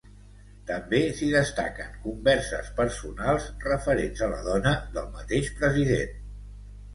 També s'hi destaquen converses personals referents a la dona del mateix president.